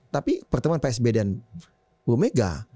tapi pertemuan psb dan omega